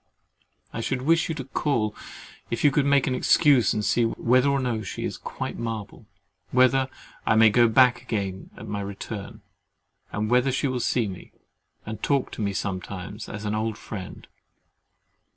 I should wish you to call, if you can make an excuse, and see whether or no she is quite marble—whether I may go back again at my return, and whether she will see me and talk to me sometimes as an old friend.